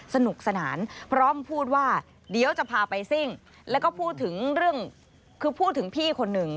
สนุกสนานพร้อมพูดว่าเดี๋ยวจะพาไปซิ่งแล้วก็พูดถึงเรื่องคือพูดถึงพี่คนหนึ่ง